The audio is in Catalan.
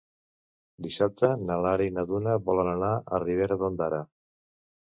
Dissabte na Lara i na Duna volen anar a Ribera d'Ondara.